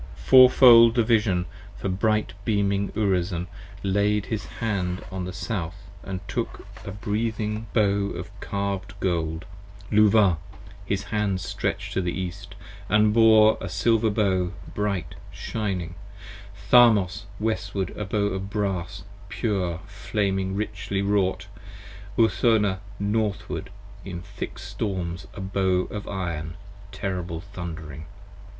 Fourfold the Vision, for bright beaming Urizen Lay'd his hand on the South & took a breathing Bow of carved Gold, Luvah his hand stretch'd to the East & bore a Silver Bow bright shining, 10 Tharmas Westward a Bow of Brass pure flaming richly wrought, Urthona Northward in thick storms a Bow of Iron terrible thundering.